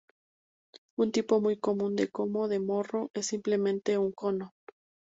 Un tipo muy común de cono de morro es simplemente un cono.